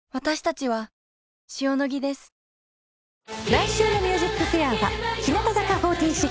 来週の『ＭＵＳＩＣＦＡＩＲ』は日向坂４６。